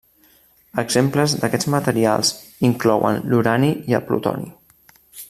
Exemples d'aquests materials inclouen l'urani i el plutoni.